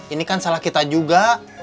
ini kan salah kita juga